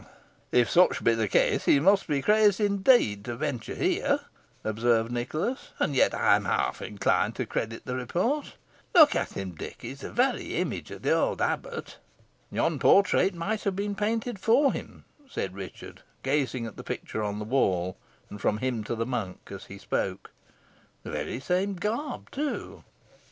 "If such be the case, he must be crazed indeed to venture here," observed Nicholas; "and yet I am half inclined to credit the report. Look at him, Dick. He is the very image of the old abbot." "Yon portrait might have been painted for him," said Richard, gazing at the picture on the wall, and from it to the monk as he spoke; "the very same garb, too."